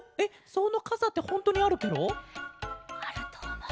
そのかさってほんとうにあるケロ？あるとおもう。